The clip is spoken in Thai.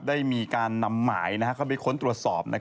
ได้มีการนำหมายเข้าไปค้นตรวจสอบ